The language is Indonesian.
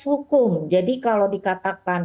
hukum jadi kalau dikatakan